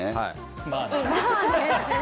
まあね。